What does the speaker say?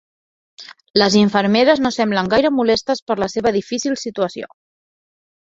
Les infermeres no semblen gaire molestes per la seva difícil situació.